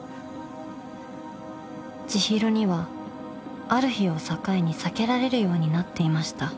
［千尋にはある日を境に避けられるようになっていました］